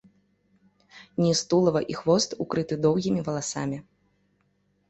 Ніз тулава і хвост укрыты доўгімі валасамі.